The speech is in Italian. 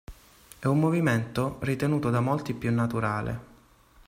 È un movimento ritenuto da molti più naturale.